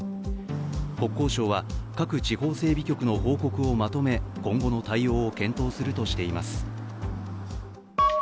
国交省は各地方整備局の報告をまとめ、今後の対応を検討するとしています。